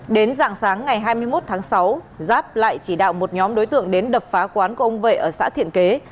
đến dạng sáng ngày hai mươi một tháng sáu giáp lại chỉ đạo một nhóm đối tượng đến đập phá quán của ông vệ ở xã thiện kế